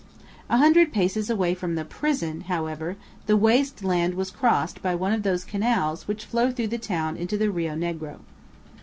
A hundred paces away from the prison, however, the waste land was crossed by one of those canals which flow through the town into the Rio Negro.